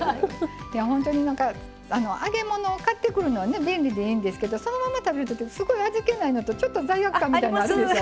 ほんとに揚げ物を買ってくるのは便利でいいんですけどそのまま食べるとすごい味気ないのとちょっと罪悪感みたいなのあるでしょ。